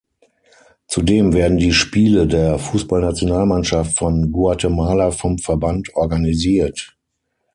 Zudem werden die Spiele der Fußballnationalmannschaft von Guatemala vom Verband organisiert.